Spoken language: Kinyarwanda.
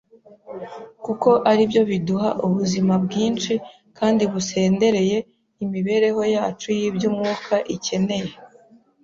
kuko ari byo biduha ubuzima bwinshi kandi busendereye imibereho yacu y’iby’umwuka ikeneye.